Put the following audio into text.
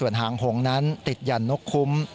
ด้านห่วงนั้นติดหยั่นนกคุ้ม